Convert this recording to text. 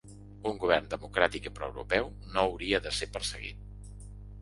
Un govern democràtic i pro-europeu no hauria de ser perseguit.